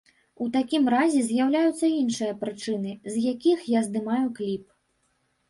У такім разе з'яўляюцца іншыя прычыны, з якіх я здымаю кліп.